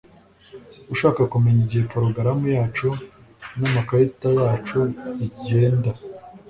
ushaka kumenya igihe porogaramu yacu namakarita yacu bigenda